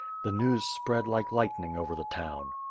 The news spread like lightning over the town.